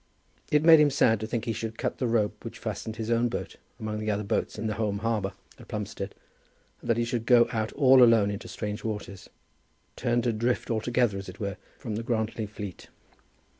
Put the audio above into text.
It made him sad to think that he should cut the rope which fastened his own boat among the other boats in the home harbour at Plumstead, and that he should go out all alone into strange waters, turned adrift altogether, as it were, from the Grantly fleet.